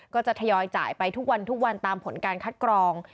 ก็จะทยอยจ่ายไปทุกวันตามผลการคัดกรอง